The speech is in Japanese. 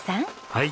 はい。